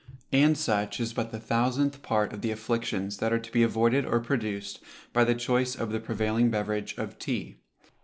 And such is but the thousandth part of the afflictions that are to be avoided or produced by the choice of the prevailing beverage of tea.